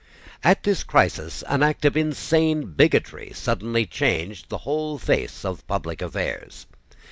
At this crisis an act of insane bigotry suddenly changed the whole face of public affairs.